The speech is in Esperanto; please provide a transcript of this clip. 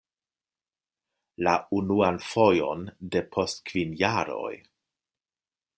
La unuan fojon depost kvin jaroj!